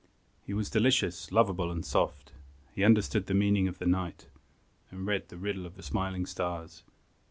He was delicious, lovable and soft. He understood the meaning of the night, And read the riddle of the smiling stars.